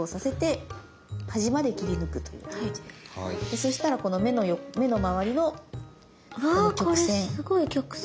そしたらこの目のまわりのこの曲線。